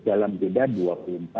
dalam beda dua puluh empat